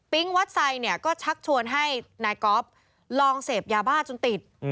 ปิ๊งวัดไทยก็ชักชวนให้นายก๊อปลองเสพยาบ้าจนติด